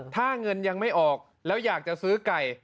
ถ้าเงินยังไม่ออกแล้วอยากจะซื้อไก่